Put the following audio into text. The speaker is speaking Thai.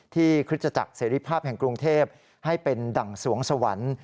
ที่คิดจะจักษ์เสร็จภาพแห่งกรุงเทพฯให้เป็นดั่งสวงสวรรค์